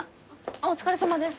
お疲れさまです。